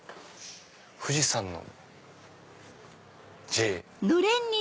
富士山の「Ｊ」。